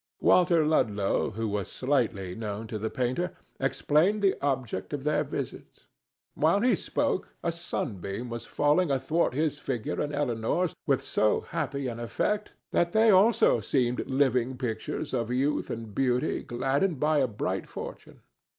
Walter Ludlow, who was slightly known to the painter, explained the object of their visit. While he spoke a sunbeam was falling athwart his figure and Elinor's with so happy an effect that they also seemed living pictures of youth and beauty gladdened by bright fortune.